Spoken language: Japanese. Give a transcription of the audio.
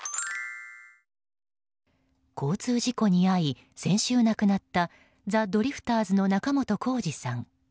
交通事故に遭い先週亡くなったザ・ドリフターズの仲本工事さん。